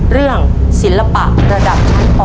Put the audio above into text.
เรื่องศิลปะระดับชั้นป๖